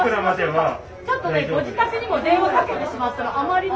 ちょっとねご自宅にも電話かけてしまったの。